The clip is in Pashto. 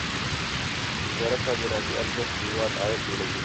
د زراعت صادراتي ارزښت د هېواد عاید لوړوي.